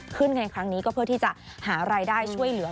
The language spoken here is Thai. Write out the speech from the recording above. ในครั้งนี้ก็เพื่อที่จะหารายได้ช่วยเหลือ